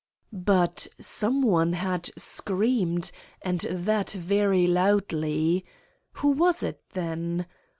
But some one had screamed, and that very loudly. Who was it, then?